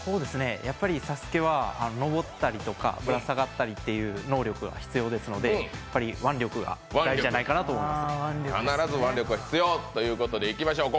「ＳＡＳＵＫＥ」は上ったりとかぶら下がったりという能力が必要ですので、腕力が大事じゃないかなと思います。